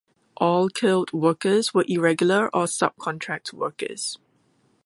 All killed workers were irregular or subcontract workers.